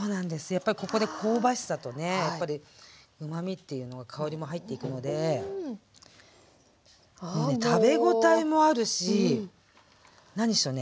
やっぱりここで香ばしさとねやっぱりうまみっていうのは香りも入っていくのでもうね食べ応えもあるし何しろね何だろう